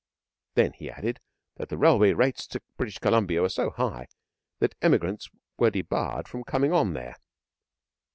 Then he added that the railway rates to British Columbia were so high that emigrants were debarred from coming on there.